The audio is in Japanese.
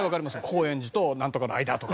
高円寺となんとかの間とか。